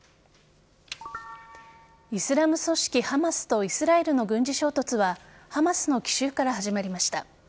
イスラム組織・ハマスとイスラエルの軍事衝突はハマスの奇襲から始まりました。